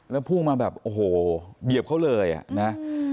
มันก็พุ่งมาแบบโอ้โหเดียบเขาเลยอะนะ